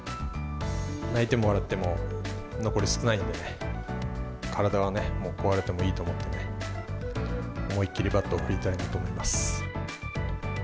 泣いても笑っても残り少ないので、体はもう壊れてもいいと思ってね、思い切りバットを振りたいなと思います。